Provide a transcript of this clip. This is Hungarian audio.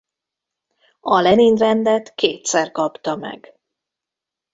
A Lenin-rendet kétszer kapta meg.